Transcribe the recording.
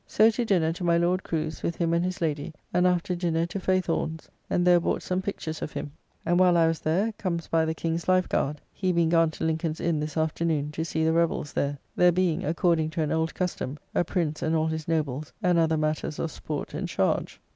So to dinner to my Lord Crew's with him and his Lady, and after dinner to Faithorne's, and there bought some pictures of him; and while I was there, comes by the King's life guard, he being gone to Lincoln's Inn this afternoon to see the Revells there; there being, according to an old custom, a prince and all his nobles, and other matters of sport and charge.